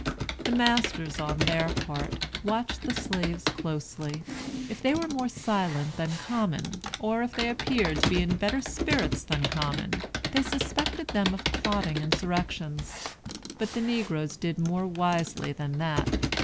The masters, on their part, watched the slaves closely. If they were more silent than common, or if they appeared to be in better spirits than common, they suspected them of plotting insurrections. But the negroes did more wisely than that.